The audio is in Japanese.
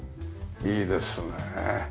いいですね。